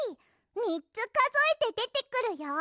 みっつかぞえてでてくるよ！